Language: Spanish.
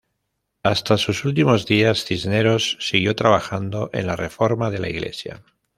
Hasta sus último días Cisneros siguió trabajando en la reforma de la Iglesia.